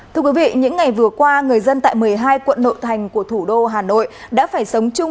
thưa quý vị những ngày vừa qua người dân tại một mươi hai quận nội thành của thủ đô hà nội đã phải sống chung